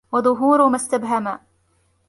وَظُهُورُ مَا اسْتَبْهَمَ